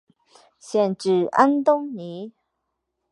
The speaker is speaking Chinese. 县治安东尼。